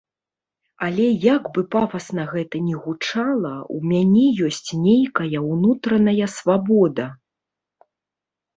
Але, як бы пафасна гэта ні гучала, у мяне ёсць нейкая ўнутраная свабода.